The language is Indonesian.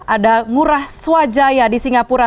ada ngurah swajaya di singapura